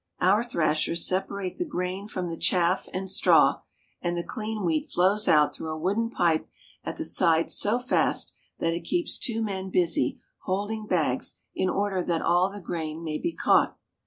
Our thrashers separate the grain from the chaff and straw, and the clean wheat flows out through a wooden pipe at the side so fast that it keeps two men busy holding bags in order that all the grain may be caught.